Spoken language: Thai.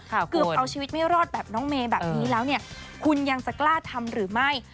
คือเอาชีวิตไม่รอดแบบน้องเมย์แบบนี้แล้วเนี่ยคุณยังจะกล้าทำหรือไม่